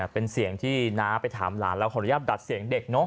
เป็นเสียงที่น้าไปถามหลานแล้วขออนุญาตดัดเสียงเด็กเนอะ